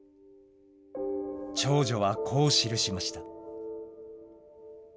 長女はこう記しました。